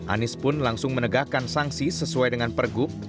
anies pun langsung menegakkan sanksi sesuai dengan pergub